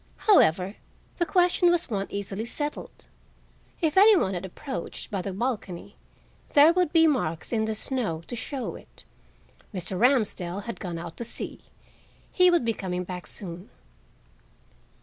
However, the question was one easily settled. If any one had approached by the balcony there would be marks in the snow to show it. Mr. Ramsdell had gone out to see. He would be coming back soon.